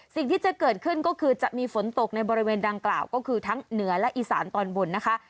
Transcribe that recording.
สิ่งที่จะเกิดขึ้นก็คือจะมีฝนตกในบริเวณดังกล่าวก็คือทั้งเหนือและอีสานตอนบนนะคะ